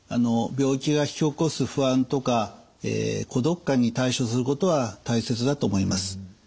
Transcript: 病気が引き起こす不安とか孤独感に対処することは大切だと思います。